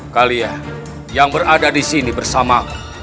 kalian yang berada disini bersamaku